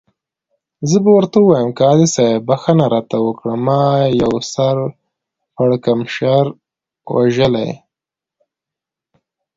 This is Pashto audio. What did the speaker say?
زه به ورته ووایم، قاضي صاحب بخښنه راته وکړه، ما یو سر پړکمشر وژلی.